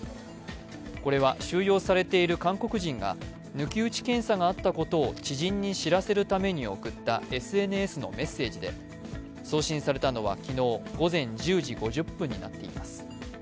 これは収容されている韓国人が抜き打ち検査があったことを知人に知らせるために送ったＳＮＳのメッセージで、送信されたのは昨日午前１０時５０分になっています。